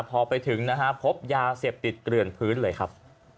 พอไปถึงนะฮะพบยาเสพติดเกลื่อนพื้นเลยครับ